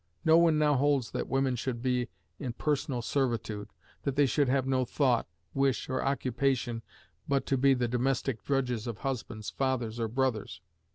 No one now holds that women should be in personal servitude; that they should have no thought, wish, or occupation but to be the domestic drudges of husbands, fathers, or brothers.